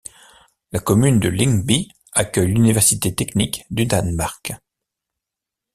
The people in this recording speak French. La commune de Lyngby accueille l'Université technique du Danemark.